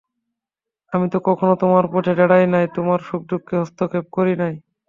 আমি তো কখনো তোমার পথে দাঁড়াই নাই, তোমার সুখদুঃখে হস্তক্ষেপ করি নাই।